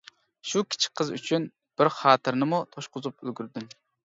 شۇ كىچىك قىز ئۈچۈن بىر خاتىرىنىمۇ توشقۇزۇپ ئۈلگۈردۈم.